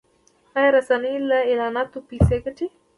آیا رسنۍ له اعلاناتو پیسې ګټي؟